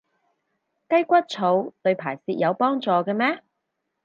雞骨草對排泄有幫助嘅咩？